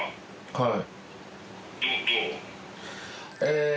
はい。